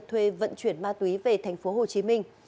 thuê vận chuyển ma túy về tp hcm